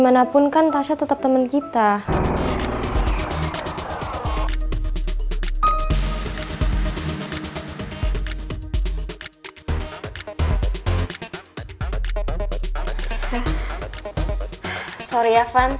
kan dia bukan best traffic dia lagi